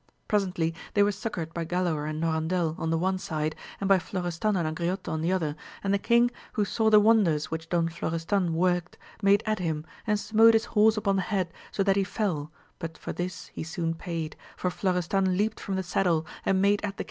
Presently they were succoured by Galaor and Norandel on the one side, and by Florestan and Augriote on the other, and the king, who saw the wonders which Don Florestan worked, made at him, and^ smote his horse upon the head, so that he fell, but for this he soon paid, for Florestan leaped &om the saddle, and made at the AMADIS OF GAUL.